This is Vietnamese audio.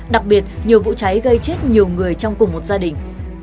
đặc biệt nhiều vụ cháy gây chết nhiều người trong cùng một gia đình